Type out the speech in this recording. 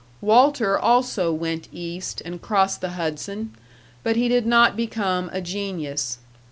Walter also went East and crossed the Hudson, but he did not become a genius.